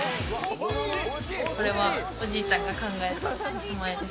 これは、おじいちゃんが考えた名前です。